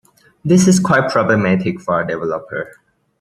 This is quite problematic for a developer.